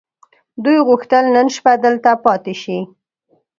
دوی غوښتل نن شپه دلته پاتې شي.